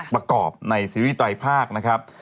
ประกอบในซีรีส์ไตรภาคนะครับ